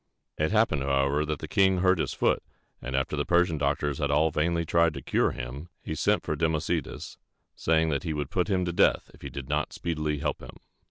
It happened, however, that the king hurt his foot; and after the Persian doctors had all vainly tried to cure him, he sent for Democedes, saying that he would put him to death if he did not speedily help him.